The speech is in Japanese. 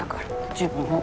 自分を。